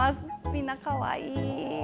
みんなかわいい。